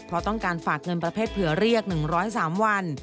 เพราะต้องการฝากเงินประเภทเผื่อเรียก๑๐๓วัน